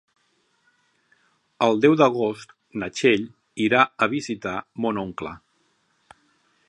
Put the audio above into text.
El deu d'agost na Txell irà a visitar mon oncle.